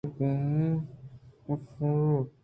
اے گوں ما سگگٛ نہ بیت